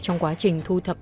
trong quá trình thu thập